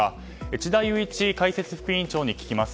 智田裕一解説副委員長に聞きます。